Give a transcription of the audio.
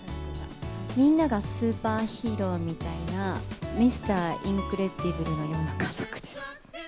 みんながスーパーヒーローみたいな、ミスター・インクレディブルのような家族です。